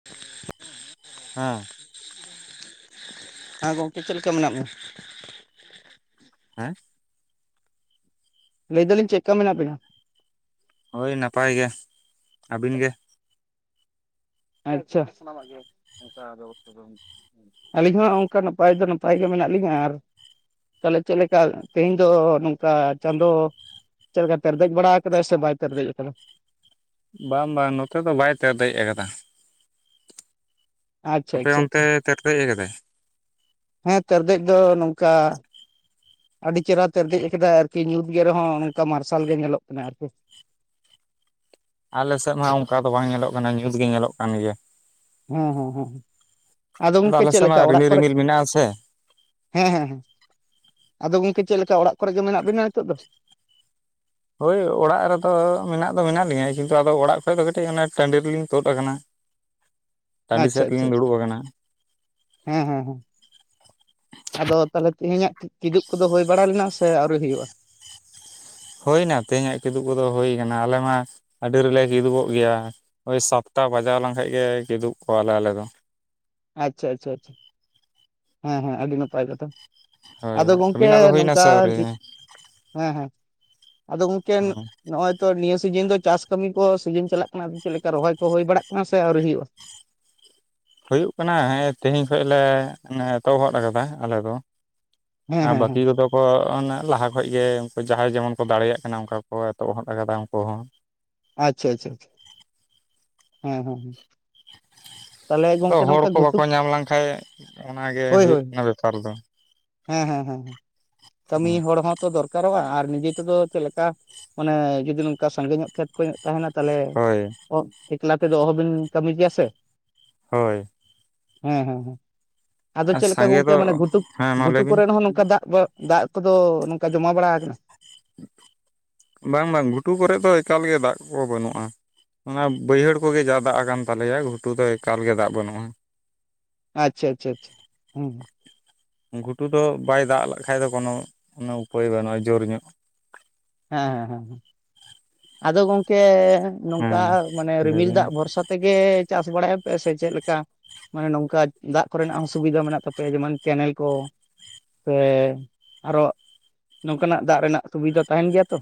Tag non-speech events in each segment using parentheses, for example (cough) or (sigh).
(inaudible) ᱦᱮᱸ᱾ ᱦᱮᱸ ᱜᱚᱢᱠᱮ ᱪᱮᱫ ᱞᱮᱠᱟ ᱢᱮᱱᱟᱜ ᱢᱮᱭᱟ? ᱦᱮᱸ? ᱞᱟᱹᱭ ᱫᱟᱞᱤᱧ ᱪᱮᱫ ᱞᱮᱠᱟ ᱢᱮᱱᱟᱜ ᱵᱮᱱᱟ᱾ ᱦᱳᱭ ᱱᱟᱯᱟᱭ ᱜᱮ, ᱟᱹᱵᱤᱱ ᱜᱮ? ᱟᱪᱪᱷᱟ ᱥᱟᱱᱟᱢ ᱜᱮ ᱚᱝᱠᱟ ᱟᱹᱞᱤᱧ ᱦᱚᱸ ᱚᱱᱠᱟ ᱱᱟᱯᱟᱭ ᱫᱚ ᱱᱟᱯᱟᱭ ᱜᱮ ᱢᱮᱱᱟᱜ ᱞᱤᱧᱟᱹ ᱟᱨ ᱛᱟᱦᱚᱞᱮ ᱪᱮᱫ ᱞᱮᱠᱟ ᱛᱮᱦᱤᱧ ᱫᱚ ᱱᱚᱝᱠᱟ ᱪᱟᱸᱫᱳ ᱪᱮᱫ ᱞᱮᱠᱟ ᱛᱮᱨᱮ ᱫᱮᱡ ᱵᱟᱲᱟ ᱠᱟᱫᱟ ᱥᱮ ᱵᱟᱭ ᱛᱮᱨᱮᱡᱮᱡ ᱠᱟᱫᱟ? ᱵᱟᱝ ᱵᱟᱝ ᱱᱚᱛᱮ ᱫᱚ ᱵᱟᱭ ᱛᱮᱨ ᱫᱮᱡ ᱠᱟᱫᱟ᱾ ᱟᱪᱪᱷᱟ ᱟᱯᱮ ᱚᱱᱛᱮ ᱟᱪᱪᱷᱟ ᱛᱮᱨᱫᱮᱡ ᱟᱠᱟᱫᱟᱭ ᱦᱮᱸ ᱛᱮᱨᱫᱮᱡ ᱫᱚ ᱱᱚᱝᱠᱟ ᱟᱹᱰᱤ ᱪᱮᱦᱨᱟ ᱛᱮᱨᱫᱮᱡ ᱠᱟᱫᱟᱭ ᱟᱨᱠᱤ ᱧᱩᱛ ᱜᱮ ᱨᱮᱦᱚᱸ ᱱᱚᱝᱠᱟ ᱢᱟᱨᱥᱟᱞ ᱜᱮ ᱧᱮᱞᱚᱜ ᱠᱟᱱᱟ ᱟᱨᱠᱤ᱾ ᱟᱞᱮᱥᱮᱫ ᱢᱟ ᱚᱱᱠᱟ ᱫᱚ ᱵᱟᱝ ᱧᱮᱞᱚᱜ ᱠᱟᱱᱟ ᱧᱩᱛ ᱜᱮ ᱧᱮᱞᱚᱜ ᱠᱟᱱ ᱜᱮᱭᱟ᱾ ᱦᱮᱸ ᱦᱮᱸ ᱦᱮᱸ, ᱟᱫᱚ ᱜᱚᱝᱠᱮ ᱟᱞᱮ ᱪᱮᱫ ᱥᱮᱫ ᱞᱮᱠᱟ ᱢᱟ ᱚᱲᱟᱜ ᱨᱤᱢᱤᱞ ᱠᱚᱨᱮᱫ ᱨᱤᱢᱤᱞ ᱢᱮᱱᱟᱜ ᱟᱥᱮ ᱦᱮᱸ ᱦᱮᱸ ᱦᱮᱸ, ᱟᱫᱚ ᱜᱚᱝᱠᱮ ᱪᱮᱫ ᱞᱮᱠᱟ ᱚᱲᱟᱜ ᱠᱚᱨᱮ ᱜᱮ ᱢᱮᱱᱟᱜ ᱵᱤᱱᱟ ᱱᱤᱛᱚᱜ ᱫᱚ? ᱦᱳᱭ ᱚᱲᱟᱜ ᱨᱮᱫᱚ ᱢᱮᱱᱟᱜ ᱫᱚ ᱢᱮᱱᱟᱜ ᱞᱤᱧᱟᱹ ᱠᱤᱱᱛᱩ ᱟᱫᱚ ᱚᱲᱟᱜ ᱠᱷᱚᱡ ᱫᱚ ᱠᱟᱹᱴᱤᱡ ᱚᱱᱮ ᱴᱟᱺᱰᱤ ᱨᱮᱞᱤᱧ ᱛᱳᱫ ᱟᱠᱟᱱᱟ᱾ (inaudible) ᱟᱪᱪᱷᱟ ᱥᱮᱫ ᱟᱪᱪᱷᱟ ᱨᱮᱞᱤᱧ ᱫᱩᱲᱩᱵ ᱟᱠᱟᱱᱟ ᱦᱮᱸ ᱦᱮᱸ ᱦᱮᱸ᱾ ᱟᱫᱚ ᱛᱟᱦᱚᱞᱮ ᱛᱮᱦᱮᱧᱟᱜ ᱠᱤᱫᱩᱵ ᱠᱚᱫᱚ ᱦᱩᱭ ᱵᱟᱲᱟ ᱞᱮᱱᱟ ᱥᱮ ᱟᱹᱣᱨᱤ ᱦᱩᱭᱩᱜ-ᱟ? ᱦᱩᱭ ᱮᱱᱟ ᱛᱮᱦᱮᱧᱟᱜ ᱠᱤᱫᱩᱵ ᱠᱚᱫᱚ ᱦᱩᱭ ᱠᱟᱱᱟ ᱟᱞᱮ ᱢᱟ ᱟᱹᱰᱤ ᱨᱮᱞᱮ ᱠᱤᱫᱩᱵᱚᱜ ᱜᱮᱭᱟ᱾ ᱳᱭ ᱥᱟᱛᱴᱟ ᱵᱟᱡᱟᱣ ᱞᱮᱱᱠᱷᱟᱡ ᱜᱮ ᱠᱤᱫᱩᱵ ᱠᱚᱜᱣᱟᱞᱮ ᱟᱞᱮ ᱫᱚ᱾ ᱟᱪᱪᱷᱟ ᱟᱪᱪᱷᱟ ᱟᱪᱪᱷᱟ᱾ ᱦᱮᱸ ᱦᱮᱸ ᱟᱹᱰᱤ ᱱᱟᱯᱟᱭ ᱠᱟᱛᱷᱟ ᱦᱳᱭ ᱟᱫᱚ ᱜᱚᱢᱠᱮ ᱟᱹᱵᱤᱱᱟᱜ ᱫᱚ ᱦᱩᱭᱱᱟ ᱱᱚᱝᱠᱟ ᱥᱮ ᱟᱹᱣᱨᱤ ᱟᱨᱠᱤ ᱦᱮᱸ ᱦᱮᱸ ᱟᱫᱚ ᱜᱚᱝᱠᱮ ᱱᱚᱜ-ᱚᱭ ᱛᱚ ᱱᱤᱭᱟᱹ ᱥᱤᱡᱤᱱ ᱫᱚ ᱪᱟᱥ ᱠᱟᱹᱢᱤ ᱠᱚ ᱥᱤᱡᱤᱱ ᱪᱟᱞᱟᱜ ᱠᱟᱱᱟ ᱪᱮᱫ ᱞᱮᱠᱟ ᱨᱚᱦᱚᱭ ᱠᱚ ᱦᱳᱭ ᱵᱟᱲᱟᱜ ᱠᱟᱱᱟ ᱥᱮ ᱟᱹᱣᱨᱤ ᱦᱩᱭᱩᱜ-ᱟ? ᱦᱳᱭᱳᱜ ᱠᱟᱱᱟ ᱛᱮᱦᱮᱧ ᱠᱷᱚᱱ ᱞᱮ ᱮᱛᱚᱦᱚᱫ ᱠᱟᱫᱟ ᱟᱞᱮ ᱫᱚ᱾ ᱦᱮᱸ ᱟᱨ ᱦᱮᱸ ᱦᱮᱸ ᱵᱟᱠᱤ ᱠᱚᱫᱚ ᱠᱚ ᱚᱱᱮ ᱞᱟᱦᱟ ᱠᱷᱚᱡ ᱜᱮ ᱩᱱᱠᱩ ᱡᱟᱦᱟᱸᱭ ᱡᱮᱢᱚᱱ ᱠᱚ ᱫᱟᱲᱮᱭᱟᱜ ᱠᱟᱱᱟ ᱚᱱᱠᱟ ᱠᱚ ᱮᱛᱚᱦᱚᱵ ᱠᱟᱫᱟ ᱩᱱᱠᱩ ᱦᱚᱸ᱾ ᱟᱪᱪᱷᱟ ᱟᱪᱪᱷᱟ ᱟᱪᱪᱷᱟ᱾ ᱦᱮᱸ ᱦᱮᱸ ᱦᱩᱸ᱾ ᱟᱫᱚ ᱦᱚᱲ ᱠᱚ ᱜᱷᱩᱴᱩ ᱵᱟᱠᱚ ᱧᱟᱢ ᱞᱮᱱᱠᱷᱟᱡ ᱚᱱᱟᱜ ᱜᱮ ᱦᱳᱭ ᱦᱳᱭᱩᱜ ᱦᱳᱭ ᱠᱟᱱᱟ ᱵᱮᱯᱟᱨ ᱫᱚ᱾ ᱦᱮᱸ ᱦᱮᱸ ᱦᱮᱸ ᱠᱟᱹᱢᱤ ᱦᱚᱲ ᱦᱚᱸ ᱛᱚ ᱫᱚᱨᱠᱟᱨᱚᱜ-ᱟ ᱟᱨ ᱱᱤᱡᱮ ᱛᱮᱫᱚ ᱪᱮᱫ ᱞᱮᱠᱟ ᱢᱟᱱᱮ ᱡᱩᱫᱤ ᱱᱚᱝᱠᱟ ᱥᱟᱸᱜᱮ ᱧᱚᱜ ᱠᱷᱮᱛ ᱠᱚᱦᱚᱸ ᱛᱟᱦᱮᱱᱟ ᱛᱟᱦᱚᱞᱮ ᱦᱳᱭ ᱚ ᱮᱠᱞᱟ ᱛᱮᱫᱚ ᱚᱦᱚᱵᱤᱱ ᱠᱟᱹᱢᱤ ᱜᱮᱭᱟ ᱥᱮ᱾ ᱦᱳᱭ᱾ ᱦᱮᱸ ᱦᱮᱸ ᱦᱮᱸ ᱟᱫᱚ ᱟᱨ ᱪᱮᱫ ᱞᱮᱠᱟ ᱥᱟᱸᱜᱮ ᱜᱚᱢᱠᱮ ᱫᱚ ᱢᱟᱱᱮ ᱜᱷᱩᱴᱩᱵ ᱦᱮᱸ ᱢᱟ ᱜᱷᱩᱴᱩ ᱞᱟᱹᱭ ᱵᱤᱱ ᱠᱚᱨᱮᱱ ᱦᱚᱸ ᱱᱚᱝᱠᱟ ᱫᱟᱜ ᱫᱚ ᱫᱟᱜ ᱠᱚᱫᱚ ᱱᱚᱝᱠᱟ ᱡᱚᱢᱟ ᱵᱟᱲᱟᱣ ᱠᱟᱱᱟ ᱵᱟᱝ ᱵᱟᱝ ᱜᱷᱩᱴᱩ ᱠᱚᱨᱮᱫ ᱫᱚ ᱮᱠᱟᱞᱜᱮ ᱫᱟᱜ ᱠᱚ ᱵᱟᱹᱱᱩᱜ-ᱟ᱾ ᱚᱱᱟ ᱵᱟᱹᱭᱦᱟᱹᱲ ᱠᱚᱜᱮ ᱡᱟ ᱫᱟᱜ ᱟᱠᱟᱱ ᱛᱟᱞᱮᱭᱟ ᱜᱷᱩᱴᱩ ᱫᱚ ᱮᱠᱟᱞ ᱜᱮ ᱫᱟᱜ ᱵᱟᱹᱱᱩᱜ-ᱟ᱾ ᱟᱪᱪᱷᱟ ᱟᱪᱪᱷᱟ ᱟᱪᱪᱷᱟ ᱦᱩᱸ᱾ ᱜᱷᱩᱴᱩ ᱫᱚ ᱵᱟᱭ ᱫᱟᱜ ᱞᱮᱠᱷᱟᱡ ᱫᱚ ᱠᱳᱱᱳ ᱠᱳᱱᱳ ᱩᱯᱟᱹᱭ ᱵᱟᱹᱱᱩᱜ-ᱟ ᱡᱳᱨ ᱧᱚᱜ᱾ ᱦᱮᱸ ᱦᱮᱸ ᱦᱮᱸ ᱟᱫᱚ ᱜᱚᱢᱠᱮ ᱦᱮᱸ ᱱᱚᱝᱠᱟ ᱢᱟᱱᱮ ᱞᱟᱹᱭ ᱨᱤᱢᱤᱞ ᱵᱤᱱ ᱫᱟᱜ ᱵᱷᱚᱨᱥᱟ ᱛᱮᱜᱮ ᱪᱟᱥ ᱵᱟᱲᱟᱭᱟ ᱯᱮ ᱥᱮ ᱪᱮᱫ ᱞᱮᱠᱟ? ᱢᱟᱱᱮ ᱱᱚᱝᱠᱟ ᱫᱟᱜ ᱠᱚᱨᱮᱱᱟᱜ ᱦᱚᱸ ᱥᱩᱵᱤᱫᱷᱟ ᱢᱮᱱᱟᱜ ᱛᱟᱯᱮᱭᱟ ᱡᱮᱢᱚᱱ ᱠᱮᱱᱮᱞ ᱠᱚ᱾ ᱥᱮ ᱟᱨᱚ ᱱᱚᱝᱠᱟᱱᱟᱜ ᱫᱟᱜ ᱨᱮᱱᱟᱜ ᱥᱩᱵᱤᱫᱟ ᱛᱟᱦᱮᱱ ᱜᱮᱭᱟ ᱛᱚ᱾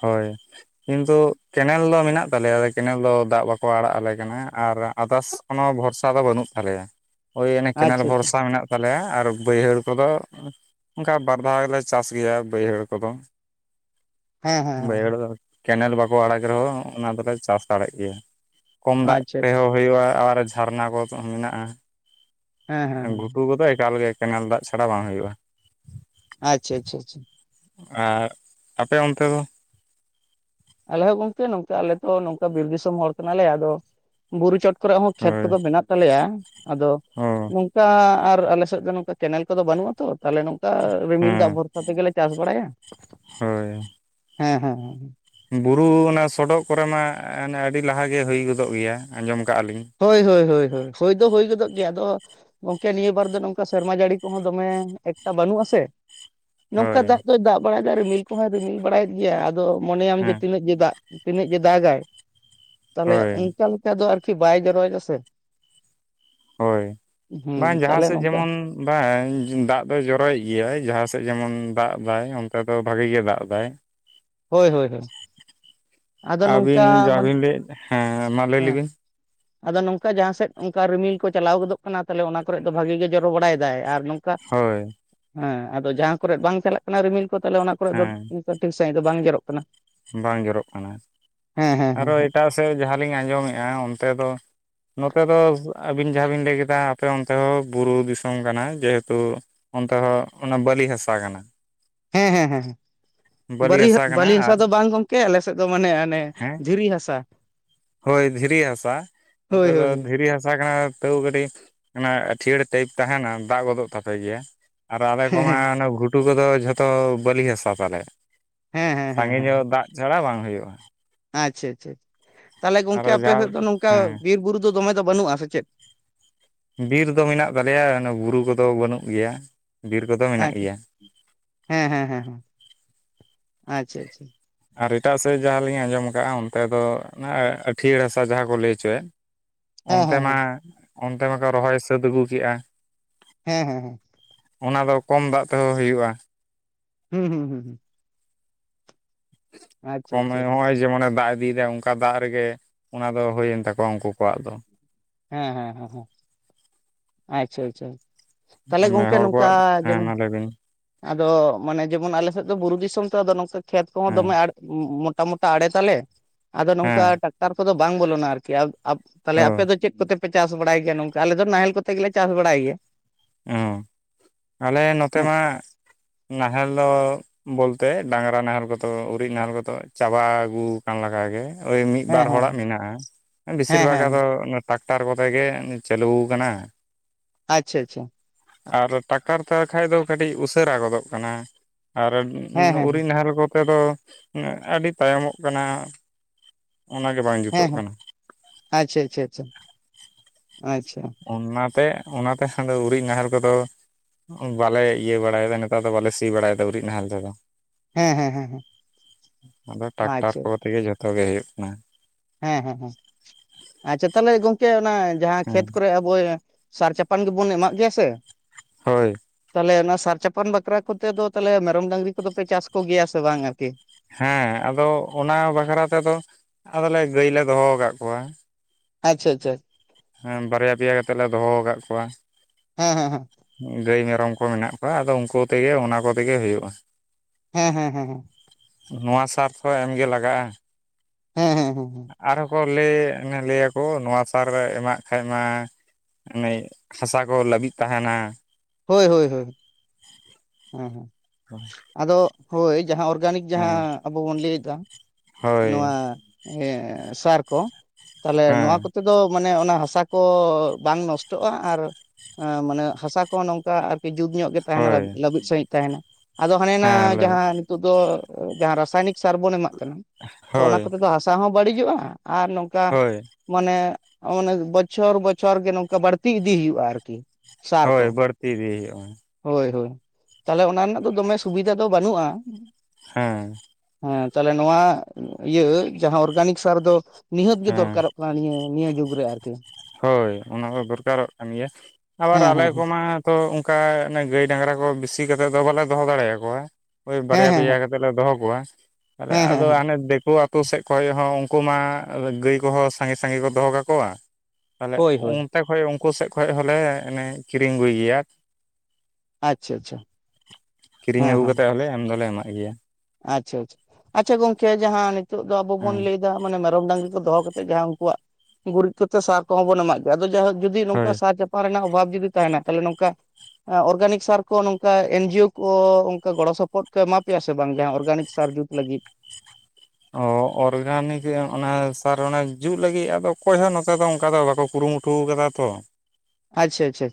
ᱦᱳᱭ᱾ ᱠᱤᱱᱛᱩ ᱠᱮᱱᱮᱞ ᱫᱚ ᱢᱮᱱᱟᱜ ᱛᱟᱞᱮᱭᱟ ᱟᱫᱚ ᱠᱮᱱᱮᱞ ᱫᱚ ᱫᱟᱜ ᱵᱟᱠᱚ ᱟᱲᱟᱜ ᱟᱞᱮ ᱠᱟᱱᱟ, ᱟᱨ ᱟᱫᱟᱥ ᱠᱚᱱᱳ ᱵᱷᱚᱨᱥᱟ ᱫᱚ ᱵᱟᱹᱱᱩᱜ ᱛᱟᱞᱮᱭᱟ ᱳᱭ ᱚᱱᱮ ᱠᱮᱱᱮᱞ ᱟᱪᱪᱷᱟ ᱟᱪᱪᱷᱟ ᱵᱷᱚᱨᱥᱟ ᱢᱮᱱᱟᱜ ᱛᱟᱞᱮᱭᱟ, ᱟᱨ ᱵᱟᱹᱭᱦᱟᱹᱲ ᱠᱚᱫᱚ ᱚᱱᱠᱟ ᱵᱟᱨ ᱫᱷᱟᱣ ᱜᱮᱞᱮ ᱪᱟᱥ ᱜᱮᱭᱟ ᱵᱟᱹᱭᱦᱟᱹᱲ ᱠᱚᱫᱚ᱾ ᱦᱮᱸ ᱦᱮᱸ ᱦᱮᱸ ᱵᱟᱹᱭᱦᱟᱹᱲ ᱫᱚ ᱠᱮᱱᱮᱞ ᱵᱟᱠᱚ ᱟᱲᱟᱜᱚ ᱨᱮᱦᱚᱸ ᱚᱱᱟ ᱫᱚᱞᱮ ᱪᱟᱥ ᱫᱟᱲᱮᱜ ᱜᱮᱭᱟ᱾ ᱠᱚᱢ ᱫᱟᱜ ᱟᱪᱪᱷᱟ ᱟᱪᱪᱷᱟ ᱛᱮᱦᱚᱸ ᱦᱳᱭᱳᱜ-ᱟ ᱟᱵᱟᱨ ᱡᱷᱟᱨᱱᱟ ᱠᱚᱫᱟ ᱢᱮᱱᱟᱜ-ᱟ᱾ ᱦᱮᱸ ᱦᱮᱸ ᱟᱨ ᱦᱮᱸ ᱜᱷᱩᱴᱩ ᱠᱚᱫᱚ ᱮᱠᱟᱞᱜᱮ ᱠᱮᱱᱮᱞ ᱫᱟᱜ ᱪᱷᱟᱲᱟ ᱵᱟᱝ ᱦᱩᱭᱩᱜ-ᱟ᱾ ᱟᱪᱪᱷᱟ ᱟᱪᱪᱷᱟ ᱟᱪᱪᱷᱟ᱾ ᱟᱜ ᱟᱯᱮ ᱚᱱᱛᱮ ᱫᱚ? ᱟᱞᱮ ᱦᱚᱸ ᱜᱚᱬᱠᱮ ᱱᱚᱝᱠᱟ ᱟᱞᱮ ᱛᱚ ᱱᱚᱝᱠᱟ ᱵᱤᱨ ᱫᱤᱥᱚᱢ ᱦᱚᱲ ᱠᱟᱱᱟᱞᱮ, ᱟᱫᱚ ᱵᱩᱨᱩ ᱪᱚᱴ ᱠᱚᱨᱮᱜ ᱦᱚᱸ ᱠᱷᱮᱛ ᱦᱳᱭ ᱠᱚᱫᱚ ᱢᱮᱱᱟᱜ ᱛᱟᱞᱮᱭᱟ, ᱟᱫᱚ ᱚ ᱱᱚᱝᱠᱟ ᱟᱨ ᱟᱞᱮ ᱥᱮᱫ ᱫᱚ ᱱᱚᱝᱠᱟ ᱠᱮᱱᱮᱞ ᱠᱚᱫᱚ ᱵᱟᱹᱱᱩᱜ ᱟᱛᱚ ᱛᱟᱦᱚᱞᱮ ᱱᱚᱝᱠᱟ ᱨᱤᱢᱤᱞ ᱫᱟᱜ ᱦᱮᱸ ᱵᱷᱚᱨᱥᱟ ᱛᱮᱜᱮᱞᱮ ᱪᱟᱥ ᱵᱟᱲᱟᱭᱟ᱾ ᱦᱳᱭ᱾ ᱦᱮᱸ ᱦᱮᱸ ᱦᱮᱸᱦᱮᱸ ᱾ ᱵᱩᱨᱩ ᱚᱱᱟ ᱥᱚᱰᱚᱜ ᱠᱚᱨᱮᱜ ᱢᱟ ᱦᱟᱱᱮ ᱟᱹᱰᱤ ᱞᱟᱦᱟ ᱜᱮ ᱦᱩᱭ ᱜᱚᱫᱚᱜ ᱜᱮᱭᱟ, ᱟᱸᱡᱚᱢ ᱠᱟᱜ-ᱟ ᱞᱤᱧ᱾ ᱦᱳᱭ ᱦᱳᱭ ᱦᱳᱭ ᱦᱳᱭ ᱦᱩᱭ ᱫᱚ ᱦᱳᱭ ᱜᱚᱫᱚᱜ ᱜᱮᱭᱟ, ᱟᱫᱚ ᱜᱚᱝᱠᱮ ᱱᱤᱭᱟᱹ ᱵᱟᱨ ᱫᱚ ᱱᱚᱝᱠᱟ ᱥᱮᱨᱢᱟ ᱡᱟᱹᱲᱤ ᱠᱚᱦᱚᱸ ᱫᱚᱢᱮ ᱮᱠᱴᱟ ᱵᱟᱹᱱᱩᱜ ᱟᱥᱮ ᱱᱚᱝᱠᱟ ᱦᱳᱭ ᱫᱟᱜ ᱫᱚᱭ ᱫᱟᱜ ᱵᱟᱲᱟᱭᱫᱟ ᱨᱤᱢᱤᱞ ᱠᱚᱦᱚᱸ ᱨᱤᱢᱤᱞ ᱵᱟᱲᱟᱭᱮᱫ ᱜᱮᱭᱟ ᱟᱫᱚ ᱢᱚᱱᱮᱭᱟᱢ ᱡᱮ ᱦᱮᱸ ᱛᱤᱱᱟᱹᱜ ᱡᱮ ᱫᱟᱜ ᱛᱤᱱᱟᱹᱜ ᱡᱮ ᱫᱟᱜᱟᱭ ᱛᱟᱦᱚᱞᱮ ᱦᱳᱭ ᱚᱝᱠᱟ ᱞᱮᱠᱟ ᱫᱚ ᱟᱨᱠᱤ ᱵᱟᱭ ᱡᱚᱨᱚᱭᱮᱫᱟ ᱥᱮ᱾ ᱦᱳᱭ ᱦᱩᱸ ᱵᱟᱝ ᱡᱟᱦᱟᱸ ᱛᱟᱦᱚᱞᱮ ᱥᱮᱫ ᱱᱚᱝᱠᱟ ᱡᱮᱢᱚᱱ ᱵᱟᱝ ᱫᱟᱜ ᱫᱚᱭ ᱡᱚᱨᱚᱭᱮᱜ ᱜᱮᱭᱟᱭ ᱡᱟᱦᱟᱸ ᱥᱮᱫ ᱡᱮᱢᱚᱱ ᱫᱟᱜ ᱫᱟᱭ ᱚᱱᱛᱮ ᱫᱚ ᱵᱷᱟᱜᱤ ᱜᱮ ᱫᱟᱜ ᱮᱫᱟᱭ᱾ ᱦᱳᱭ ᱦᱳᱭ ᱦᱳᱭ ᱟᱫᱚ (unintelligible) ᱱᱚᱝᱠᱟ ᱟᱹᱵᱤᱱ ᱡᱟᱦᱟᱸ ᱢᱟᱱᱮ ᱵᱤᱱ ᱞᱟᱹᱭᱮᱫ ᱦᱮᱸ ᱢᱟ ᱞᱟᱹᱭ ᱦᱮᱸ ᱞᱮᱵᱤᱱ᱾ ᱟᱫᱚ ᱱᱚᱝᱠᱟ ᱡᱟᱦᱟᱸ ᱥᱮᱫ ᱚᱝᱠᱟ ᱨᱤᱢᱤᱞ ᱠᱩ ᱪᱟᱞᱟᱣ ᱜᱚᱫᱚᱜ ᱠᱟᱱᱟ ᱛᱟᱦᱚᱞᱮ ᱚᱱᱟ ᱠᱚᱨᱮ ᱫᱚ ᱵᱷᱟᱜᱤ ᱜᱮ ᱡᱚᱨᱚ ᱵᱟᱲᱟᱭ ᱫᱟᱭ, ᱟᱨ ᱱᱚᱝ ᱛᱟ ᱦᱳᱭ ᱦᱮᱸ ᱟᱫᱚ ᱡᱟᱦᱟᱸ ᱠᱚᱨᱮ ᱵᱟᱝ ᱪᱟᱞᱟᱜ ᱠᱟᱱᱟ ᱨᱤᱢᱤᱞ ᱠᱚ ᱛᱟᱦᱚᱞᱮ ᱚᱱᱟ ᱠᱚᱨᱮ ᱫᱚ ᱦᱮᱸ ᱴᱷᱤᱠ ᱥᱟᱦᱤᱡ ᱫᱚ ᱵᱟᱝ ᱡᱚᱨᱚᱜ ᱠᱟᱱᱟ᱾ ᱵᱟᱝ ᱡᱚᱨᱚᱜ ᱠᱟᱱᱟ ᱦᱮᱸ ᱦᱮᱸ ᱟᱨᱚ ᱦᱮᱸ ᱮᱴᱟᱜ ᱥᱮᱫ ᱡᱟᱦᱟᱸᱞᱤᱧ ᱟᱸᱡᱚᱢᱮᱜ ᱦᱮᱸ ᱚᱱᱛᱮ ᱫᱚ, ᱱᱚᱛᱮ ᱫᱚ ᱟᱹᱵᱤᱱ ᱡᱟᱦᱟᱸ ᱵᱤᱱ ᱞᱟᱹᱭ ᱠᱮᱫᱟ ᱟᱯᱮ ᱚᱱᱛᱮ ᱦᱚᱸ ᱵᱩᱨᱩ ᱫᱤᱥᱚᱢ ᱠᱟᱱᱟ ᱡᱮᱦᱮᱛᱩ ᱚᱱᱛᱮ ᱦᱚᱸ ᱚᱱᱟ ᱵᱟᱹᱞᱤ ᱦᱟᱥᱟ ᱠᱟᱱᱟ᱾ ᱦᱮᱸ ᱦᱮᱸ ᱦᱮᱸ ᱦᱮᱸ᱾ ᱵᱟᱹᱞᱤ ᱵᱟᱹᱨᱤ ᱦᱟᱥᱟ ᱠᱟᱱᱟ ᱵᱟᱹᱞᱤ ᱦᱟᱥᱟ ᱟᱨ ᱫᱚ ᱵᱟᱝ ᱜᱚᱝᱠᱮ ᱟᱞᱮ ᱥᱮᱫ ᱫᱚ ᱢᱟᱱᱮ ᱚᱱᱮ ᱦᱮᱸ ᱫᱷᱤᱨᱤ ᱦᱟᱥᱟ᱾ ᱦᱳᱭ ᱫᱷᱤᱨᱤ ᱦᱟᱥᱟ ᱦᱳᱭ ᱟᱯᱮ ᱫᱚ ᱦᱳᱭ ᱫᱷᱤᱨᱤ ᱦᱟᱥᱟ ᱠᱟᱱᱟ ᱛᱟᱹᱣ ᱠᱟᱹᱴᱤᱡ ᱚᱱᱟ ᱟᱹᱴᱷᱭᱟᱹᱲ ᱴᱟᱭᱤᱯᱤ ᱛᱟᱦᱮᱱᱟ ᱫᱟᱜ ᱜᱚᱫᱚᱜ ᱛᱟᱯᱮ ᱜᱮᱭᱟ᱾ ᱟᱨ ᱟᱞᱮ ᱠᱚᱢᱟ ᱦᱮᱸ ᱚᱱᱟ ᱜᱷᱩᱴᱩ ᱠᱚᱫᱚ ᱡᱷᱚᱛᱚ ᱵᱟᱹᱞᱤ ᱦᱟᱥᱟ ᱛᱟᱞᱮ᱾ ᱦᱮᱸ ᱦᱮᱸ᱾ ᱦᱮᱸ ᱥᱟᱸᱜᱮ ᱧᱚᱜ ᱦᱮᱸ ᱫᱟᱜ ᱪᱷᱟᱲᱟ ᱵᱟᱝ ᱦᱩᱭᱩᱜ-ᱟ ᱾ ᱟᱪᱪᱷᱟ ᱟᱪᱪᱷᱟ ᱛᱟᱦᱚᱞᱮ ᱜᱚᱝᱠᱮ ᱟᱨᱚ ᱟᱯᱮ ᱡᱟᱦᱟᱸ ᱥᱮᱫ ᱫᱚ ᱱᱚᱝᱠᱟ ᱦᱮᱸ ᱵᱤᱨ ᱵᱩᱨᱩ ᱫᱚ ᱫᱚᱢᱮ ᱫᱚ ᱵᱟᱹᱱᱩᱜ-ᱟ ᱥᱮ ᱪᱮᱫ? ᱵᱤᱨ ᱫᱚ ᱢᱮᱱᱟᱜ ᱛᱟᱞᱮᱭᱟ ᱚᱱᱟ ᱵᱩᱨᱩ ᱠᱚᱫᱚ ᱵᱟᱹᱱᱩᱜ ᱜᱮᱭᱟ ᱵᱤᱨ ᱠᱚᱫᱚ ᱢᱮᱱᱟᱜ ᱟᱪᱪᱷᱟ ᱜᱮᱭᱟ ᱾ ᱦᱮᱸ ᱦᱮᱸ ᱦᱮᱸ ᱟᱪᱪᱷᱟ ᱟᱪᱪᱷᱟ ᱟᱨ ᱮᱴᱟᱜ ᱥᱮᱫ ᱡᱟᱦᱟᱸ ᱞᱤᱧ ᱟᱸᱡᱚᱢ ᱠᱟᱜ-ᱟ ᱚᱱᱛᱮ ᱫᱚ ᱚᱱᱟ ᱟᱹᱴᱷᱭᱟᱹᱲ ᱦᱟᱥᱟ ᱡᱟᱦᱟᱸ ᱠᱚ ᱞᱟᱹᱭ ᱦᱚᱪᱭᱮᱫ᱾ ᱦᱮᱸ ᱚᱱᱛᱮ ᱦᱮᱸ ᱢᱟ ᱚᱱᱛᱮ ᱢᱟᱠᱚ ᱨᱚᱦᱚᱭ ᱥᱟᱹᱛ ᱟᱹᱜᱩ ᱠᱮᱜ-ᱟ ᱾ ᱦᱮᱸ ᱦᱮᱸ ᱦᱮᱸ ᱾ ᱚᱱᱟ ᱫᱚ ᱠᱚᱢ ᱫᱟᱜ ᱛᱮᱦᱚᱸ ᱦᱩᱭᱩᱜ-ᱟ᱾ ᱦᱩᱸ ᱦᱩᱸ ᱦᱩᱸ ᱦᱩᱸ ᱾ ᱟᱪᱪᱷᱟ ᱠᱚᱢ ᱟᱪᱪᱷᱟ ᱧᱚᱜ ᱦᱚᱸᱜ-ᱚᱭ ᱡᱮᱢᱚᱱᱮ ᱫᱟᱜ ᱤᱫᱤᱭᱮᱫᱟ ᱚᱝᱠᱟ ᱫᱟᱜ ᱨᱮᱜᱮ ᱚᱱᱟ ᱫᱚ ᱦᱩᱭᱮᱱ ᱛᱟᱠᱚᱣᱟ ᱩᱝᱠᱩ ᱠᱚᱣᱟᱜ ᱫᱚ ᱾ ᱦᱮᱸ ᱦᱮᱸ ᱦᱮᱸ ᱦᱮᱸ᱾ ᱟᱪᱪᱷᱟ ᱟᱪᱪᱷᱟ ᱛᱟᱦᱚᱞᱮ ᱢᱟᱱᱮ ᱜᱚᱝᱠᱮ ᱦᱚᱲ ᱱᱚᱝᱠᱟ ᱠᱚᱣᱟᱜ ᱫᱚ᱾ ᱦᱮᱸ ᱡᱮᱢᱚᱱ ᱢᱟ ᱞᱟᱹᱭ ᱵᱤᱱ ᱟᱫᱚ ᱢᱟᱱᱮ ᱡᱮᱢᱚᱱ ᱟᱞᱮ ᱥᱮᱫ ᱫᱚ ᱵᱩᱨᱩ ᱫᱤᱥᱚᱢ ᱛᱚ ᱟᱫᱚ ᱱᱚᱝᱠᱟ ᱠᱷᱮᱛ ᱠᱚᱦᱚᱸ ᱦᱮᱸ ᱫᱚᱢᱮ ᱟᱴ ᱩᱸ ᱩᱸ ᱢᱚᱴᱟ ᱢᱚᱴᱟ ᱟᱲᱮ ᱛᱟᱞᱮ ᱟᱫᱚ ᱱᱚᱝᱠᱟ ᱦᱮᱸ ᱴᱟᱠᱴᱟᱨ ᱠᱚᱫᱚ ᱵᱟᱝ ᱵᱚᱞᱚᱱᱟ ᱟᱨᱠᱤ ᱾ ᱟ ᱚ ᱛᱟᱦᱚᱞᱮ ᱟᱯᱮ ᱫᱚ ᱪᱮᱫ ᱠᱚᱛᱮᱯᱮ ᱪᱟᱥ ᱵᱟᱲᱟᱭ ᱜᱮᱭᱟ ᱱᱚᱝᱠᱟ ᱟᱞᱮ ᱫᱚ ᱱᱟᱦᱮᱞ ᱠᱚᱛᱮ ᱜᱮᱞᱮ ᱪᱟᱥ ᱵᱟᱲᱟᱭ ᱜᱮᱭᱟ ᱾ ᱚᱸ ᱟᱞᱮ ᱱᱚᱛᱮ ᱦᱮᱸ ᱢᱟ ᱱᱟᱦᱮᱞ ᱫᱚ ᱵᱚᱞᱛᱮ ᱰᱟᱝᱨᱟ ᱱᱟᱦᱮᱞ ᱠᱚᱫᱚ ᱩᱨᱤᱡ ᱱᱟᱦᱮᱞ ᱠᱚᱫᱚ ᱪᱟᱵᱟ ᱟᱹᱜᱩ ᱠᱟᱱ ᱞᱮᱠᱟ ᱜᱮ᱾ ᱳᱭ ᱢᱤᱫ ᱦᱮᱸ ᱵᱟᱨ ᱦᱚᱲᱟᱜ ᱦᱮᱸ ᱢᱮᱱᱟᱜ-ᱟ ᱵᱮᱥᱤᱨ ᱦᱮᱸ ᱵᱷᱟᱜ ᱦᱮᱸ ᱟᱫᱚ ᱴᱟᱠᱴᱟᱨ ᱠᱚᱛᱮ ᱜᱮ ᱪᱟᱹᱟᱞᱣ ᱠᱟᱱᱟ ᱾ ᱟᱪᱪᱷᱟ ᱟᱪᱪᱷᱟ ᱾ ᱟᱨ ᱴᱟᱠᱴᱟᱨ ᱛᱮ ᱠᱷᱟᱡ ᱫᱚ ᱠᱟᱹᱴᱤᱡ ᱩᱥᱟᱹᱨᱟ ᱜᱚᱫᱚᱜ ᱠᱟᱱᱟ, ᱟᱨ ᱦᱮᱸ ᱦᱮᱸ ᱩᱨᱤᱡ ᱱᱟᱦᱮᱞ ᱠᱚᱛᱮ ᱫᱚ ᱟᱹᱰᱤ ᱛᱟᱭᱚᱢᱚᱜ ᱠᱟᱱᱟ᱾ ᱚᱱᱟᱜᱮ ᱵᱟᱝ ᱦᱮᱸ ᱡᱩᱛᱩᱜ ᱦᱮᱸ ᱠᱟᱱᱟ᱾ ᱟᱪᱪᱷᱟ ᱟᱪᱪᱷᱟ ᱟᱪᱪᱷᱟ, ᱟᱪᱪᱷᱟ᱾ ᱚᱱᱟᱛᱮ ᱚᱱᱟᱛᱮ ᱥᱟᱸᱜᱨ ᱩᱨᱤᱡ ᱱᱟᱦᱮᱞ ᱠᱚᱫᱚ᱾ ᱵᱟᱞᱮ ᱤᱭᱟᱹ ᱵᱟᱲᱟᱭᱮᱫᱟ ᱱᱮᱛᱟᱨ ᱫᱚ ᱵᱟᱞᱮ ᱥᱤ ᱵᱟᱲᱟᱭᱮᱫᱟ ᱩᱨᱤᱡ ᱱᱟᱦᱮᱞ ᱛᱮᱫᱚ᱾ ᱦᱮᱸ ᱦᱮᱸ ᱦᱮᱸ ᱦᱮᱸ ᱟᱫᱚ ᱴᱨᱟᱠᱴᱟᱨ ᱟᱪᱪᱷᱟ ᱠᱚ ᱛᱮᱜᱮ ᱡᱷᱚᱛᱚ ᱜᱮ ᱦᱩᱭᱩᱜ ᱠᱟᱱᱟ᱾ ᱦᱮᱸ ᱦᱮᱸ ᱦᱮᱸ ᱟᱪᱪᱷᱟ ᱛᱟᱦᱚᱞᱮ ᱜᱚᱝᱠᱮ ᱚᱱᱟ ᱡᱟᱦᱟᱸ ᱦᱮᱸ ᱠᱷᱮᱛ ᱠᱚᱨᱮ ᱵ ᱥᱟᱨ ᱪᱟᱯᱟᱱ ᱜᱮᱵᱚᱱ ᱮᱢᱟᱜ ᱜᱮᱭᱟ ᱥᱮ᱾ ᱦᱳᱭ᱾ ᱛᱟᱦᱚᱞᱮ ᱚᱱᱟ ᱥᱟᱨ ᱪᱟᱯᱟᱱ ᱵᱟᱠᱷᱨᱟ ᱠᱚᱛᱮ ᱫᱚ ᱛᱟᱦᱚᱞᱮ ᱢᱮᱨᱚᱢ ᱰᱟᱝᱨᱤ ᱠᱚᱫᱚᱯᱮ ᱪᱟᱥ ᱠᱚᱜᱮᱭᱟ ᱥᱮ ᱵᱟᱝᱼᱟᱨᱠᱤ? ᱦᱮᱸ ᱟᱫᱚ ᱚᱱᱟ ᱵᱟᱠᱷᱨᱟ ᱛᱮᱫᱚ ᱟᱫᱚᱞᱮ ᱜᱟᱹᱭᱞᱮ ᱫᱚᱦᱚ ᱟᱠᱟᱫ ᱠᱚᱣᱟ᱾ ᱟᱪᱪᱷᱟ ᱟᱪᱷᱟ᱾ ᱮ ᱵᱟᱨᱭᱟ ᱯᱮᱭᱟ ᱠᱟ ᱠᱟᱛᱮᱫ ᱞᱮ ᱫᱚᱦᱚ ᱟᱠᱟᱫ ᱠᱚᱣᱟ᱾ ᱦᱮᱸ ᱦᱮᱸᱦᱮ᱾ ᱜᱟᱹᱭ ᱢᱮᱨᱚᱢ ᱠᱚ ᱢᱮᱱᱟᱜ ᱠᱚᱣᱟ ᱟᱫᱚ ᱩᱱᱠᱩ ᱛᱮᱜᱮ ᱚᱱᱟ ᱠᱚ ᱛᱮᱜᱮ ᱦᱩᱭᱩᱜᱼᱟ᱾ ᱦᱮᱸ ᱦᱮᱸ ᱦᱮᱸ᱾ ᱱᱚᱣᱟ ᱥᱟᱨ ᱛᱷᱚ ᱮᱢᱜᱮ ᱞᱟᱜᱟᱜᱼᱟ᱾ ᱦᱮᱸ ᱦᱮ ᱦᱩ᱾ ᱟᱨᱦᱚᱸ ᱠᱚ ᱞᱟᱹᱭ ᱞᱟᱹᱭᱟᱠᱚ ᱱᱚᱣᱟ ᱥᱟᱨ ᱨᱮ ᱮᱢᱟᱜ ᱠᱷᱟᱡ ᱢᱟ᱾ ᱚᱱᱮ ᱦᱟᱥᱟ ᱠᱚ ᱞᱟᱹᱵᱤᱫ ᱛᱟᱦᱮᱱᱟ᱾ ᱦᱳᱭ ᱦᱳᱭ ᱦᱳ ᱦᱚᱸ ᱟᱫᱚ ᱦᱳᱭ ᱡᱟᱦᱟᱸ ᱚᱨᱜᱟᱱᱤᱠ ᱡᱟᱦᱟᱸ ᱦᱮᱸ ᱟᱵᱚ ᱵᱚᱱ ᱞᱟᱹᱭᱫᱟ ᱦᱳᱭ ᱱᱚᱣᱟ ᱥᱟᱨ ᱠᱚ ᱛᱟᱦᱚᱞᱮ ᱦᱮᱸ ᱱᱚᱣᱟ ᱠᱚᱛᱮ᱾ ᱫᱚ ᱢᱟᱱᱮ ᱚᱱᱟ ᱦᱟᱥᱟ ᱠᱚ ᱵᱟᱝ ᱱᱚᱥᱴᱚᱜᱼᱟ ᱟᱨ ᱢᱟᱱᱮ ᱦᱟᱥᱟ ᱠᱚ ᱱᱚᱝᱠᱟ ᱡᱩᱛ ᱧᱚᱜ ᱜᱮ ᱛᱟᱦᱮᱱᱟ ᱦᱳᱭ ᱞᱟᱹᱵᱤᱫ ᱥᱟᱺᱦᱤᱡ ᱛᱟᱦᱮᱱᱟ ᱟᱫᱚ ᱦᱟᱱᱮ ᱦᱮᱸ ᱱᱟ ᱞᱟᱹᱭ ᱡᱟᱦᱟᱸ ᱫᱚ ᱡᱟᱦᱟᱸ ᱨᱟᱥᱟᱭᱱᱤᱠ ᱥᱟᱨ ᱵᱚᱱ ᱮᱢᱟᱜ ᱠᱟᱱᱟ ᱛᱚ ᱚᱱᱟ ᱦᱳᱭ ᱠᱚᱛᱮ ᱫᱚ ᱦᱟᱸ ᱦᱟᱥᱟ ᱦᱚᱸ ᱵᱟᱹᱲᱤᱡᱚᱜᱼᱟ ᱟᱨ ᱱᱚᱝᱠᱟ᱾ ᱦᱳᱭ ᱢᱟᱱᱮ ᱚᱱᱮ ᱵᱚᱪᱷᱚᱨ ᱵᱚᱪᱷᱚᱨ ᱜᱮ ᱱᱚᱝᱠᱟ ᱵᱟᱹᱲᱛᱤ ᱤᱫᱤ ᱦᱩᱭᱩᱜᱼᱟ ᱟᱨᱠᱤ᱾ ᱥᱟᱨ ᱦᱳᱭ ᱠᱚ ᱵᱟᱹᱲᱛᱤ ᱤᱫᱤᱭ ᱦᱩᱭᱩᱜᱼᱟ᱾ ᱦᱳᱭ ᱦᱳᱭ ᱛᱟᱦᱚᱞᱮ ᱚᱱᱟ ᱨᱮᱱᱟᱜ ᱫᱚ ᱫᱚᱢᱮ ᱥᱩᱵᱤᱫᱷᱟ ᱫᱚ ᱵᱟᱹᱱᱩᱜᱼᱟ᱾ ᱦᱮᱸ᱾ ᱦᱮᱸ ᱛᱟᱦᱚᱞᱮ ᱱᱚᱣᱟ ᱤᱭᱟᱹ ᱡᱟᱦᱟᱸ ᱚᱨᱜᱟᱱᱤᱠ ᱥᱟᱨ ᱫᱚ ᱱᱤᱦᱟᱹᱛ ᱜᱮ ᱦᱮᱸ ᱫᱚᱨᱠᱟᱨᱚᱜ ᱱᱤᱭᱟᱹ ᱱᱤᱭᱟᱹ ᱡᱩᱜᱽ ᱨᱮ ᱟᱨᱠᱤ᱾ ᱦᱳᱭ ᱚᱱᱟᱫᱚ ᱫᱚᱨᱠᱟᱨᱚᱜ ᱠᱟᱱ ᱜᱮᱭᱟ ᱟᱵᱟᱨ ᱦᱮᱸ ᱟᱞᱮ ᱦᱮᱸ ᱠᱚᱢᱟ ᱛᱚ ᱚᱱᱠᱟ ᱚᱱᱮ ᱜᱟᱹᱭ ᱰᱟᱝᱜᱽᱨᱟ ᱠᱚ ᱵᱤᱥᱤ ᱠᱟᱛᱮᱫ ᱫᱚ ᱵᱟᱞᱮ ᱫᱚᱦᱚ ᱫᱟᱲᱮᱭᱟᱠᱚᱣᱟ ᱳᱭ ᱦᱮᱸ ᱵᱟᱨᱭᱟ ᱦᱮᱸ ᱯᱮᱭᱟ ᱦᱮᱸ ᱠᱟᱛᱮ᱾ ᱟᱞᱮ ᱫᱚᱦᱚ ᱠᱚᱣᱟ ᱟ ᱦᱮᱸ ᱦᱮᱸ ᱟᱫᱚ ᱦᱮᱸ ᱦᱟᱱᱮ ᱫᱤᱠᱩ ᱟᱛᱳ ᱥᱮᱫ ᱠᱷᱚᱱᱚᱡ ᱦᱚᱸ ᱩᱱᱠᱩ ᱢᱟ ᱜᱟᱹᱭ ᱠᱚᱦᱚᱸ ᱥᱟᱸᱜᱮ ᱥᱟᱸᱜᱮ ᱠᱚ ᱫᱚᱦᱚ ᱠᱟᱠᱚᱣᱟ᱾ ᱛᱟᱦᱞᱮ ᱦᱳᱭ ᱦᱳᱭ ᱚᱱᱛᱮ ᱠᱷᱚᱡ ᱩᱱᱠᱩ ᱥᱮᱫ ᱠᱷᱚᱱᱚᱡ ᱦᱚᱸᱞᱮ ᱠᱤᱨᱤᱧ ᱟᱹᱜᱩᱭ ᱜᱮᱭᱟ᱾ ᱟᱪᱪᱷᱟ ᱟᱪᱪᱷᱟ ᱠᱤᱨᱤᱧ ᱦᱮᱸ ᱟᱹᱜᱩ ᱦᱮᱸ ᱠᱟᱛᱮ ᱦᱚᱸᱞᱮ ᱮᱢ ᱫᱚᱞᱮ ᱮᱢᱟᱜ ᱜᱮᱭᱟ᱾ ᱟᱪᱪᱷᱟ ᱟᱷᱟ ᱟᱪᱪᱷᱟ ᱜᱚᱝᱠᱮ ᱡᱟᱦᱟᱸ ᱱᱤᱛᱚᱜ ᱫᱚ ᱟᱵᱚ ᱵᱚᱱ ᱦᱮᱸ ᱞᱟᱹᱭ ᱢᱟᱱᱮ‌ ᱢᱮᱨᱚᱢ ᱰᱟᱝᱨᱤ ᱠᱚ ᱫᱚᱦᱚ ᱠᱟᱛᱮ ᱡᱟᱦᱟᱸ ᱩᱱᱠᱩᱣᱟᱜ ᱜᱩᱨᱤᱡ ᱠᱚᱛᱮ ᱥᱟᱨ ᱠᱚᱦᱚᱸ ᱵᱚᱱ ᱮᱢᱟᱜ ᱜᱮᱭᱟ ᱟᱫᱚ ᱡᱟ ᱦᱳᱠ᱾ ᱡᱩᱫᱤ ᱱᱚᱝᱠᱟ ᱦᱳᱭ ᱥᱟᱨ ᱪᱟᱯᱟ ᱨᱮᱱᱟᱜ ᱚᱵᱷᱟᱵᱽ ᱡᱩᱫᱤ ᱛᱟᱦᱮᱱᱟ ᱛᱟᱦᱚᱞᱮ ᱱᱚᱝᱠᱟ ᱚᱨᱜᱟᱱᱤᱠ ᱥᱟᱨ ᱠᱚ ᱱᱚᱝᱠᱟ ᱮᱱᱡᱤᱭ ᱳ ᱠᱚ ᱚᱱᱠᱟ ᱜᱚᱲᱚ ᱥᱚᱯᱚᱦᱚᱫ ᱠᱚ ᱮᱢᱟ ᱯᱮᱭᱟ ᱥᱮ ᱵᱟᱝ? ᱵᱟᱝᱜ ᱚᱨᱜᱟᱱᱤᱠ ᱥᱟᱨ ᱡᱩᱛ ᱞᱟᱹᱜᱤᱫ᱾ ᱚ ᱚᱨᱜᱟᱱᱤᱠ ᱚᱱᱟ ᱥᱟᱨ ᱚᱱᱮ ᱡᱩᱩᱜ ᱞᱟᱹᱜᱤᱫ ᱟᱫᱚ ᱚᱠᱚᱭᱦ ᱱᱚᱛᱮ ᱫᱚ ᱚᱱᱠᱟ ᱫᱚ ᱵᱟᱠᱚ ᱠᱩᱨᱩᱢᱩ ᱴᱷᱩ ᱠᱟᱫᱟ ᱛᱚ᱾ ᱟᱪᱷᱟ ᱟᱪᱷᱟ᱾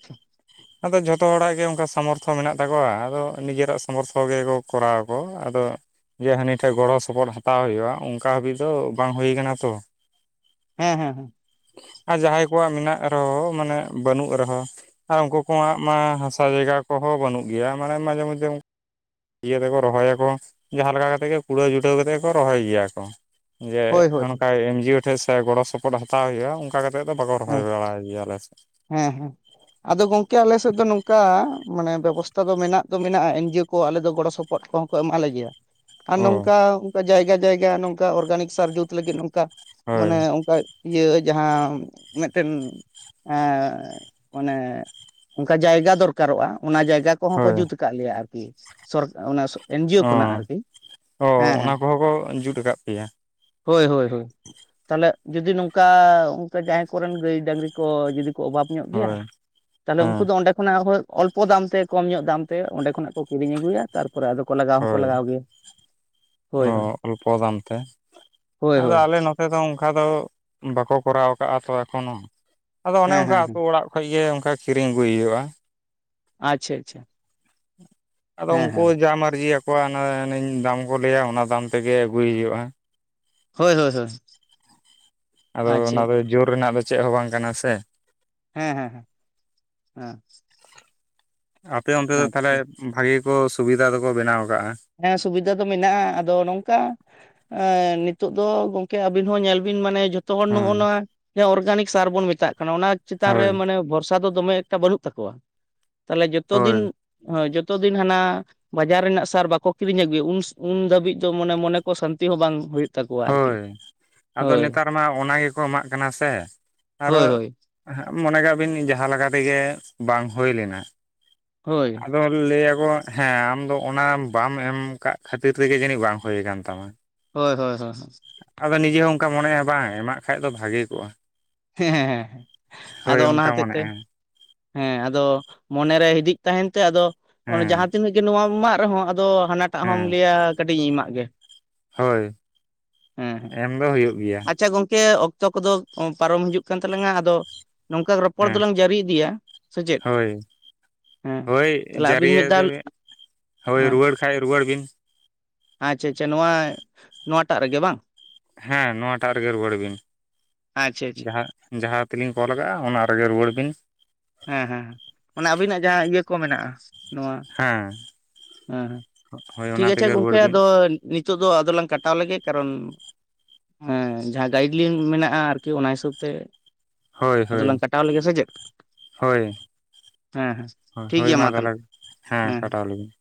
ᱟᱫᱚ ᱡᱷᱚᱛᱚ ᱦᱚᱲᱟᱜ ᱜᱮ ᱚᱱᱠᱟ ᱥᱟᱢᱚᱨᱛᱷᱚ ᱢᱮᱱᱟᱜ ᱛᱟᱠᱚᱣᱟ ᱟᱫᱚ ᱱᱤᱡᱮᱨᱟᱜ ᱥᱟᱢᱚᱨᱛᱷᱚ ᱜᱮᱠᱚ ᱠᱚᱨᱟᱣᱟ ᱠᱚ, ᱟᱫᱚ ᱡᱮ ᱦᱟᱹᱱᱤ ᱴᱷᱮᱡ ᱜᱚᱲᱚ ᱥᱚᱯᱚᱦᱚᱫ ᱦᱟᱛᱟᱣ ᱦᱩᱭᱩᱜ-ᱟ, ᱚᱱᱠᱟ ᱦᱟᱹᱵᱤᱡ ᱫᱚ ᱵᱟᱝ ᱦᱳᱛ ᱟᱠᱟᱱᱟ ᱛᱚ᱾ ᱦᱮᱸ ᱦᱮᱸ ᱦᱮᱸ᱾ ᱟᱨ ᱡᱟᱦᱟᱸᱭ ᱠᱚᱣᱟᱜ ᱢᱮᱱᱟᱜ ᱨᱮᱦᱚᱸ, ᱢᱟᱱᱮ ᱵᱟᱹᱱᱩᱜ ᱨᱮᱦᱚᱸ᱾ ᱟᱨ ᱩᱱᱠᱩ ᱠᱚᱣᱟᱜ ᱢᱟ ᱦᱟᱥᱟ ᱡᱟᱭᱜᱟ ᱠᱚᱦᱚᱸ ᱵᱟᱹᱱᱩᱜ ᱜᱮᱭᱟ, ᱢᱟᱱᱮ ᱢᱟᱡᱷᱮ ᱢᱚᱫᱽᱫᱷᱮ ᱾ ᱤᱭᱟᱹ ᱛᱮᱠᱚ ᱨᱚᱦᱚᱭᱟᱠᱚ ᱡᱟᱦᱟᱸ ᱞᱮᱠᱟ ᱠᱟᱛᱮ ᱜᱮ ᱠᱩᱲᱟᱹᱣ ᱡᱩᱴᱟᱹᱣ ᱠᱟᱛᱮ ᱜᱮᱠᱚ ᱨᱚᱦᱚᱭ ᱜᱮᱭᱟ ᱠᱚ᱾ ᱡᱮ ᱦᱳᱭ ᱦᱳᱭ ᱚᱱᱠᱟ ᱮᱢᱱᱡᱤᱭᱳ ᱴᱷᱮᱡ ᱥᱮ ᱜᱚᱲᱚ ᱥᱚᱯᱚᱦᱚᱫ ᱦᱟᱛ ᱦᱟᱛᱟᱣ ᱜᱮᱭᱟ ᱚᱱᱠᱟ ᱠᱟᱛᱮᱫ ᱫᱚ ᱵᱟᱠᱚ ᱨᱚᱦᱚᱭ ᱦᱮᱸ ᱵᱟᱲᱟᱭ ᱜᱮᱭᱟ ᱟᱞᱮ ᱥᱮᱫ᱾ ᱦᱮᱸ ᱦᱮᱸ᱾ ᱟᱫᱚ ᱜᱚᱝᱠᱮ ᱟᱞᱮ ᱥᱮᱫ ᱫᱚ ᱱᱚᱝᱠᱟ ᱢᱟᱱᱮ ᱵᱮᱵᱚᱥᱛᱷᱟ ᱫᱚ ᱢᱮᱱᱟᱜ ᱫᱚ ᱢᱮᱱᱟᱜ-ᱟ, ᱮᱱᱡᱤᱭᱳ ᱠᱚ ᱟᱞᱮ ᱫᱚ ᱜᱚᱲᱚ ᱥᱚᱯᱚᱦᱚᱫ ᱦᱚᱱ ᱠᱚᱦᱚᱸ ᱠᱚ ᱮᱢᱟᱞᱮ ᱜᱮᱭᱟ᱾ ᱟᱨ ᱚ ᱱᱚᱝᱠᱟ ᱚᱱᱠᱟ ᱡᱟᱭᱜᱟ ᱡᱟᱭᱜᱟ ᱱᱚᱝᱠᱟ ᱚᱨᱜᱟᱱᱤᱠ ᱥᱟᱨ ᱡᱩᱛ ᱞᱟᱹᱜᱤᱫ ᱱᱚᱝᱠᱟ ᱦᱳᱭ ᱢᱟᱱᱮ ᱚᱝᱠᱟ ᱤᱭᱟᱹ ᱡᱟᱦᱟᱸ ᱢᱤᱫᱴᱮᱱ᱾ ᱮᱸᱜ ᱢᱟᱱᱮ ᱚᱝᱠᱟ ᱡᱟᱭᱜᱟ ᱫᱚᱨᱠᱟᱨᱚᱜ-ᱟ, ᱚᱱᱟ ᱡᱟᱭᱜᱟ ᱠᱚᱦᱚᱸ ᱠᱚ ᱦᱳᱭ ᱡᱩᱛ ᱠᱟᱜ ᱞᱮᱭᱟ ᱟᱨᱠᱤ ᱥᱚᱨ ᱚᱱᱮ ᱥᱚ ᱚ ᱛᱚ ᱚᱱᱟ ᱦᱮᱸ ᱠᱚᱦᱚᱸ ᱠᱚ ᱡᱩᱱ ᱟᱠᱟᱱ ᱯᱮᱭᱟ᱾ ᱦᱳᱭ ᱦᱳᱭ ᱦᱳᱭ, ᱛᱟᱦᱚᱞᱮ ᱡᱩᱫᱤ ᱱᱚᱝᱠᱟ ᱚᱱᱠᱟ ᱡᱟᱦᱟᱸᱭ ᱠᱚᱨᱮᱱ ᱜᱟᱹᱭ ᱰᱟᱝᱨᱤ ᱠᱚ ᱡᱩᱫᱤ ᱠᱚ ᱚᱵᱷᱟᱵ ᱧᱚᱜ ᱜᱮᱭᱟ᱾ ᱦᱳᱭ ᱛᱟᱦᱚᱞᱮ ᱩᱱᱠᱩ ᱦᱮᱸ ᱫᱚ ᱚᱸᱰᱮ ᱠᱷᱚᱱᱟᱜ ᱦᱳᱭ ᱚᱞᱯᱚ ᱫᱟᱢ ᱛᱮ ᱠᱚᱢ ᱧᱚᱜ ᱫᱟᱢ ᱛᱮ ᱚᱸᱰᱮ ᱠᱷᱚᱱᱟᱜ ᱠᱚ ᱠᱤᱨᱤᱧ ᱟᱹᱜᱩᱭᱟ᱾ ᱛᱟᱨᱯᱚᱨᱮ ᱟᱫᱚ ᱠᱚ ᱞᱟᱜᱟᱣ ᱦᱚᱸᱠᱚ ᱦᱳᱭ ᱞᱟᱜᱟᱣ ᱜᱮᱭᱟ᱾ ᱦᱳᱭ ᱚ ᱦᱳᱭ ᱚᱞᱯᱚ ᱫᱟᱢ ᱛᱮ ᱦᱳᱭ ᱟᱫᱚ ᱦᱳᱭ ᱟᱞᱮ ᱱᱚᱛ ᱟᱫᱚ ᱚᱝᱠᱟ ᱫᱚ ᱵᱟᱠᱚ ᱠᱚᱨᱟᱣ ᱟᱠᱟᱜ-ᱟ ᱛᱚ ᱮᱠᱷᱚᱱᱚ ᱟᱫᱚ ᱚᱱᱮ ᱦᱮᱸ ᱚᱝᱠᱟ ᱦᱮᱸ ᱟᱹᱛᱩ ᱦᱮᱸ ᱚᱲᱟᱜ ᱠᱷᱚᱡ ᱜᱮ ᱚᱝᱠᱟ ᱠᱤᱨᱤᱧ ᱟᱹᱜᱩᱭ ᱦᱩᱭᱩᱜ-ᱟ᱾ ᱟᱪᱪᱷᱟ ᱟᱪᱪᱷᱟ᱾ ᱟᱫᱚ ᱦᱮᱸ ᱩᱱᱠᱩ ᱦᱮᱸ ᱡᱟ ᱢᱟᱨᱡᱤ ᱟᱠᱚᱣᱟ ᱚᱱᱟ ᱫᱟᱢ ᱠᱚ ᱞᱟᱹᱭᱟ ᱚᱱᱟ ᱫᱟᱢ ᱛᱮᱜᱮ ᱟᱹᱜᱩᱭ ᱦᱩᱭᱩᱜ-ᱟ᱾ ᱦᱳᱭ ᱦᱳᱭ ᱦᱳᱭ᱾ ᱟᱫᱚ ᱟᱪᱪᱷᱟ ᱚᱱᱟ ᱫᱚ ᱡᱳᱨ ᱨᱮᱱᱟᱜ ᱫᱚ ᱪᱮᱜ ᱦᱚᱸ ᱵᱟᱝ ᱠᱟᱱᱟ ᱥᱮ᱾ ᱦᱮᱸ ᱦᱮᱸ ᱦᱮᱸ ᱦᱮᱸ᱾ ᱟᱯᱮ ᱚᱱᱛᱮ ᱫᱚ ᱛᱟᱦᱚᱞᱮ ᱵᱷᱟᱜᱮ ᱜᱮᱠᱚ ᱥᱩᱵᱤᱫᱷᱟ ᱫᱚᱠᱚ ᱵᱮᱱᱟᱣ ᱟᱠᱟᱜ-ᱟ᱾ ᱦᱮᱸ ᱥᱩᱵᱤᱫᱟ ᱫᱚ ᱢᱮᱱᱟᱜ-ᱟ, ᱟᱫᱚ ᱱᱚᱝᱠᱟ ᱮ ᱱᱤᱛᱚᱜ ᱫᱚ ᱜᱚᱝᱠᱮ, ᱟᱵᱤᱱ ᱦᱚᱸ ᱧᱮᱞ ᱵᱤᱱ ᱢᱟᱱᱮ ᱡᱚᱛᱚ ᱦᱚᱲ ᱱᱚᱜ-ᱚ ᱦᱳᱭ ᱱᱚᱣᱟ ᱚᱨᱜᱟᱱᱤᱠ ᱥᱟᱨ ᱵᱚᱱ ᱢᱮᱛᱟᱜ ᱠᱟᱱᱟ ᱚᱱᱟ ᱪᱮᱛᱟᱱ ᱨᱮ ᱦᱳᱭ ᱢᱟᱱᱮ ᱵᱷᱚᱨ ᱥᱟ ᱫᱚ ᱫᱚᱢᱮ ᱮᱠᱴᱟ ᱵᱟᱹᱱᱩᱜ ᱛᱟᱠᱚᱣᱟ ᱛᱟᱦᱚᱞᱮ ᱡᱚᱛᱚ ᱫᱤᱱ ᱦᱳᱭ ᱦᱳᱭ, ᱡᱚᱛᱚ ᱫᱤᱱ ᱦᱟᱱᱟ ᱵᱟᱡᱟᱨ ᱨᱮᱱᱟᱜ ᱥᱟᱨ ᱵᱟ ᱠᱚ ᱠᱤᱨᱤᱧ ᱟᱜᱩᱭᱮᱫ ᱩᱱ ᱫᱷᱟᱹᱵᱤᱡ ᱫᱚ ᱢᱟᱱᱮ ᱢᱚᱱᱮ ᱠᱚ ᱥᱟᱱᱛᱤ ᱦᱚᱸ ᱵᱟᱝ ᱦᱩᱭᱩᱜ ᱛᱟᱠᱚᱣᱟ ᱟᱨᱠᱤ ᱦᱳᱭ, ᱟᱫᱚ ᱦᱳᱭ ᱱᱮᱛᱟᱨ ᱢᱟ ᱚᱱᱟ ᱜᱮᱠᱚ ᱮᱢᱟᱜ ᱠᱟᱱᱟ ᱥᱮ ᱟᱨᱚ ᱦᱳᱭ ᱦᱳᱭ ᱦᱟᱸᱜ ᱢᱚᱱᱮ ᱠᱟᱜ ᱵᱤᱱ ᱡᱟᱦᱟᱸ ᱞᱮᱠᱟ ᱛᱮᱜᱮ ᱵᱟᱝ ᱦᱩᱭ ᱞᱮᱱᱟ, ᱦᱳᱭ ᱟᱫᱚ ᱞᱟᱹᱭᱟᱠᱚ ᱦᱮᱸ ᱟᱢᱫᱚ ᱚᱱᱟ ᱵᱟᱢ ᱮᱢ ᱠᱟᱜ ᱠᱷᱟᱹᱛᱤᱨ ᱛᱮᱜᱮ ᱡᱟᱹᱱᱤᱡ ᱵᱟᱝ ᱦᱩᱭ ᱟᱠᱟᱱ ᱛᱟᱢᱟ᱾ ᱦᱳᱭ ᱦᱳᱭ ᱦᱳᱭ᱾ ᱟᱫᱚ ᱱᱤᱡᱮ ᱦᱚᱸ ᱚᱱᱠᱟ ᱢᱚᱱᱮ ᱦᱩᱭᱩᱜ-ᱟ ᱵᱟᱝ ᱮᱢᱟᱜ ᱠᱷᱟᱡ ᱫᱚ ᱵᱷᱟᱜᱮ ᱠᱚᱜ-ᱟ᱾ ᱦᱮᱸ ᱦᱮᱸ ᱦᱮᱸ, ᱟᱫᱚ ᱚᱱᱟ ᱚᱱᱠᱟ ᱦᱚᱛᱮᱡ ᱛᱮ ᱢᱚᱱᱮᱜᱼᱟ ᱦᱮᱸ ᱟᱫᱚ ᱢᱚᱱᱮᱨᱮ ᱦᱤᱫᱤᱡ ᱛᱟᱦᱮᱸᱱ ᱛᱮ ᱟᱫᱚ ᱚᱱᱮ ᱡᱟᱦᱟᱸ ᱦᱮᱸ ᱛᱤᱱᱟᱹᱜ ᱱᱚᱣᱟᱢ ᱮᱢᱟᱜ ᱨᱮᱦᱚᱸ ᱟᱫᱚ ᱦᱟᱱᱟᱴᱟᱜ ᱦᱚᱢ ᱦᱮᱸ ᱞᱟᱹᱭᱟ ᱠᱟᱹᱴᱤᱡ ᱤᱧ ᱮᱢᱟᱜ ᱜᱮ᱾ ᱦᱳᱭ ᱦᱮᱸ ᱦᱮᱸ, ᱮᱢ ᱫᱚ ᱦᱩᱭᱩᱜ ᱜᱮᱭᱟ ᱟᱪᱪᱷᱟ ᱜᱚᱝᱠᱮ, ᱚᱠ ᱛᱚ ᱠᱚᱫᱚ ᱯᱟᱨᱚᱢ ᱦᱤᱡᱩᱜ ᱠᱟᱱ ᱛᱟᱞᱟᱝᱟ ᱟᱫᱚ ᱱᱚᱝᱠᱟ ᱨᱚᱯᱚᱲ ᱦᱮᱸ ᱫᱚᱞᱟᱝ ᱡᱟᱹᱨᱤ ᱤᱫᱤᱭᱟ ᱥᱮ ᱪᱮᱫ᱾ ᱦᱳᱭ ᱦᱮᱸ ᱦᱳᱭ ᱛᱟᱦᱚᱞᱮ ᱟᱹᱵᱤᱱ ᱢᱤᱫ ᱡᱟᱹᱨᱤᱭᱟ ᱫᱷᱟᱣ (unintelligible) ᱦᱳᱭ ᱦᱮᱸ ᱨᱩᱩᱭᱟᱹᱲ ᱠᱷᱟᱡ ᱨᱩᱩᱭᱟᱹᱲ ᱵᱤᱱ᱾ ᱟᱪᱪᱷᱟ ᱟᱪᱪᱷᱟ ᱱᱚᱣᱟ ᱱᱚᱣᱟᱴᱟᱜ ᱨᱮᱜᱮ ᱵᱟᱝ? ᱦᱮᱸ ᱱᱚᱣᱟᱴᱟᱜ ᱨᱮᱜᱮ ᱨᱩᱣᱟᱹᱲ ᱵᱤᱱ ᱟᱪᱪᱷᱟ ᱟᱪᱪᱷᱟ ᱡᱟᱦᱟᱸ ᱡᱟᱦᱟᱸ ᱛᱮᱞᱤᱧ ᱠᱚᱞ ᱠᱟᱜᱼᱟ ᱚᱱᱟ ᱨᱮᱜᱮ ᱨᱩᱣᱟᱹᱲ ᱵᱤᱱ᱾ ᱦᱮᱸ ᱦᱮᱸ ᱚᱱᱮ ᱟᱵᱤᱱᱟᱜ ᱡᱟᱦᱟᱸ ᱤᱭᱟᱹ ᱠᱚ ᱢᱮᱱᱟᱜᱼᱟ ᱱᱚᱣᱟ ᱦᱮᱸ ᱦᱮᱸ ᱦᱮᱸ ᱦᱳᱭ ᱴᱷᱤᱠ ᱚᱱᱟ ᱟᱪᱷᱮ ᱛᱮᱜᱮ ᱜᱚᱝᱠᱮ ᱨᱩᱣᱟᱹᱲ ᱵᱤᱱ ᱟᱫᱚ ᱱᱤᱛᱚᱜ ᱫᱚ ᱟᱫᱚ ᱞᱟᱝ ᱠᱟᱴᱟᱣ ᱞᱮᱜᱮ ᱠᱟᱨᱚᱱ ᱦᱮᱸ ᱡᱟᱦᱟᱸ ᱜᱟᱭᱤᱰ ᱞᱟᱭᱤᱱ ᱢᱮᱱᱟᱜᱼᱟ ᱟᱨᱠᱤ ᱚᱱᱟ ᱦᱤᱥᱟᱹᱵ ᱛᱮ ᱦᱳᱭ ᱟᱫᱚᱞᱟᱝ ᱦᱳᱭ ᱠᱟᱴᱟᱣ ᱞᱮᱜᱮ ᱥᱮ ᱪᱮᱫ ᱦᱳᱭ᱾ ᱦᱮᱸ ᱦᱮᱸ ᱴᱷᱤᱠ ᱦᱳ-ᱦᱳᱭ ᱜᱮᱭᱟ ᱢᱟ ᱛᱟᱦᱚᱞᱮ ᱛᱟᱦᱞᱮ ᱦᱮᱸ ᱠᱟᱴᱟᱣ ᱞᱮᱜᱮᱧ᱾